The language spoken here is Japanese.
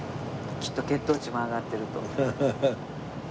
きっと血糖値も上がってると。